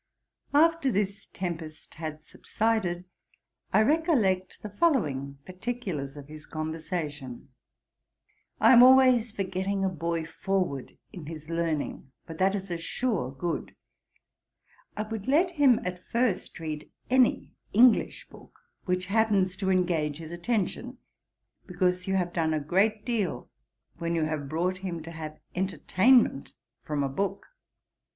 After this tempest had subsided, I recollect the following particulars of his conversation: 'I am always for getting a boy forward in his learning; for that is a sure good. I would let him at first read any English book which happens to engage his attention; because you have done a great deal when you have brought him to have entertainment from a book.